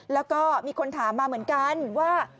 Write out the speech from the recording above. แล้วก็มีคนถามมาเหมือนกันว่า